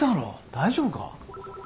大丈夫か。